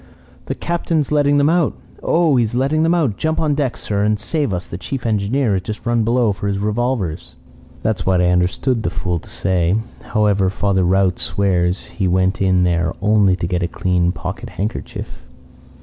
"'The Captain's letting them out. Oh, he is letting them out! Jump on deck, sir, and save us. The chief engineer has just run below for his revolver.' "That's what I understood the fool to say. However, Father Rout swears he went in there only to get a clean pocket handkerchief.